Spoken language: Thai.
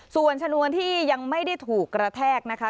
ส่วนชนวนที่ยังไม่ได้ถูกกระแทกนะคะ